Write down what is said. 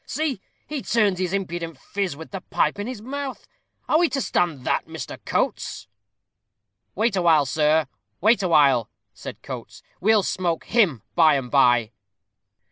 See, he turns his impudent phiz, with the pipe in his mouth! Are we to stand that, Mr. Coates?" "Wait awhile, sir wait awhile," said Coates; "we'll smoke him by and by."